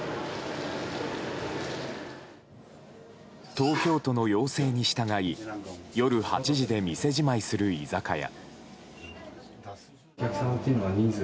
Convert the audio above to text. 東京都の要請に従い夜８時で店じまいする居酒屋。